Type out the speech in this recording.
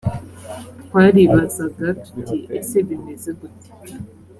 twaribazaga tuti “ese bimeze gute?”